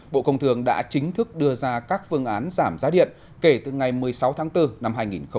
bộ công thường đã chính thức đưa ra các phương án giảm giá điện kể từ ngày một mươi sáu tháng bốn năm hai nghìn hai mươi